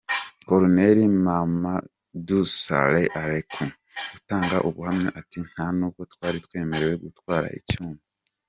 Colonel Mamadou Sarr aheruka gutanga ubuhamya ati “nta nubwo twari twemerewe gutwara icyuma.